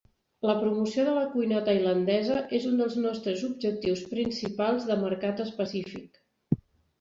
La promoció de la cuina tailandesa és un dels nostres objectius principals de mercat específic.